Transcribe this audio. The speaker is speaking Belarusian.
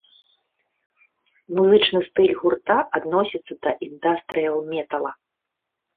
Музычны стыль гурта адносіцца да індастрыял-метала.